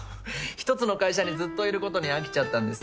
１つの会社にずっといることに飽きちゃったんです。